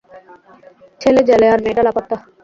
ছেলে জেলে, আর মেয়েটা লাপাত্তা।